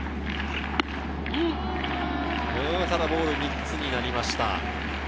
ボールが３つになりました。